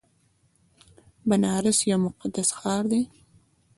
بنارس یو مقدس ښار دی.